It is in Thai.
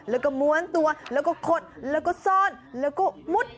แล้วก็ม้วนตัวแล้วก็ขดแล้วก็ซ่อนแล้วก็มุด